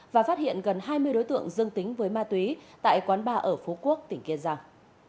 và phát hiện gần hai mươi đối tượng dương tính với ma túy tại quán bar ở phú quốc tỉnh kiên giang